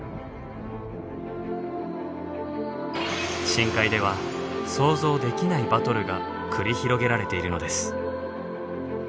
深海では想像できないバトルが繰り広げられているのです。